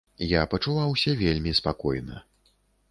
Я пачуваўся вельмі спакойна.